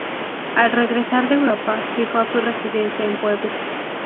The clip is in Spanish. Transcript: Al regresar de Europa, fijó su residencia en Puebla.